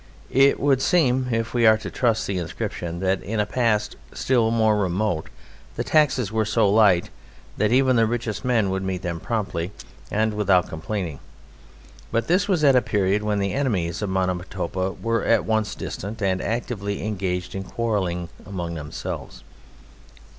It would seem (if we are to trust the inscription) that in a past still more remote the taxes were so light that even the richest men would meet them promptly and without complaining, but this was at a period when the enemies of Monomotopa were at once distant and actively engaged in quarrelling among themselves.